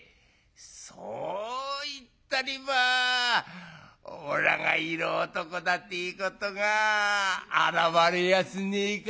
そう言ったればおらが色男だっていうことがあらわれやしねえか」。